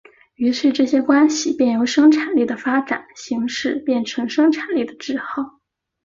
于是这些关系便由生产力的发展形式变成生产力的桎梏。